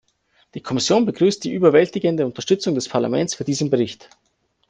Die Kommission begrüßt die überwältigende Unterstützung des Parlaments für diesen Bericht.